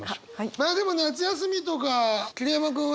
まあでも夏休みとか桐山君は？